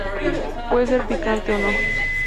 Puede ser picante o no.